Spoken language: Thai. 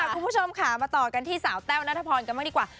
คุณผู้ชมค่ะมาต่อกันที่สาวแต้วนัทพรกันบ้างดีกว่า